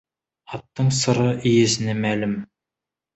Аттың сыры иесіне мәлім.